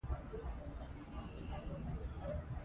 لمریز ځواک د افغانانو د تفریح لپاره یوه ډېره ګټوره او ښه وسیله ده.